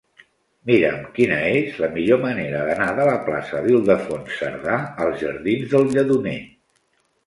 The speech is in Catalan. Mira'm quina és la millor manera d'anar de la plaça d'Ildefons Cerdà als jardins del Lledoner.